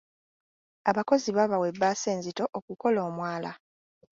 Abakozi baabawa ebbaasa enzito okukola omwala.